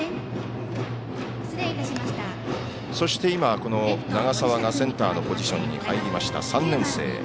そして、長澤がセンターのポジションに入りました、３年生。